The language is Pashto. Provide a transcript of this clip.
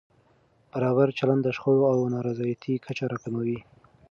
برابر چلند د شخړو او نارضایتۍ کچه راکموي.